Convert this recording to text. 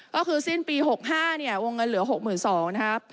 ก็คือสิ้นปี๖๕เนี่ยวงเงินเหลือ๖๒๐๐นะครับ